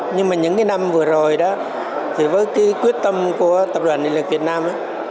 nhưng mà những năm vừa rồi với quyết tâm của tập đoàn điện lực việt nam